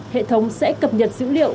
hệ thống sẽ cập nhật dữ liệu